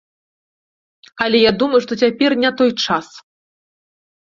Але я думаю, што цяпер не той час.